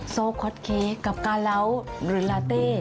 โซคอตเค้กกับกาเล้าหรือลาเต้